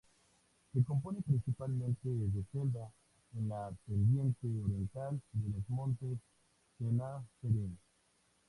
Se compone principalmente de selva en la pendiente oriental de los Montes Tenasserim.